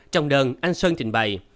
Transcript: trong đơn anh sơn nói